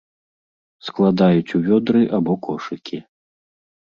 Складаюць у вёдры або кошыкі.